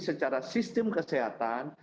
secara sistem kesehatan